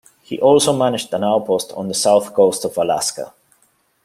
He also managed an outpost on the south coast of Alaska.